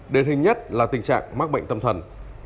đền hình nhất là tình trạng mắc bệnh tâm thần